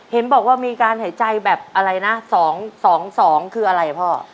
เห็นบอกว่ามีการหายใจแบบอะไรนะ๒๒คืออะไรพ่อ